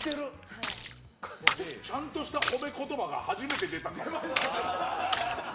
ちゃんとした褒め言葉が初めて出たね。